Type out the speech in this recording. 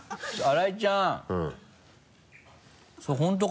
荒井ちゃん！